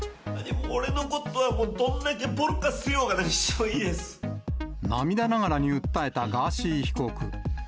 俺のことはもう、どんだけぼろかす言おうが、涙ながらに訴えたガーシー被告。